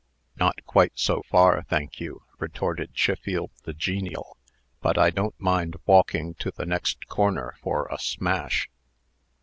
"Not quite so far, thank you," retorted Chiffield the genial; "but I don't mind walking to the next corner for a smash."